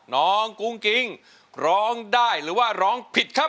กุ้งกิ๊งร้องได้หรือว่าร้องผิดครับ